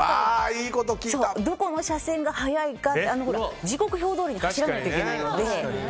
どこの車線が早いか時刻表どおりに走らないといけないので。